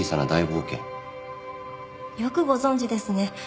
よくご存じですね。